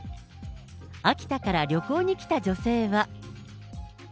秋田から旅行に来た女性は。